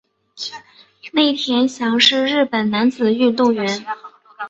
内田翔是日本男子游泳运动员。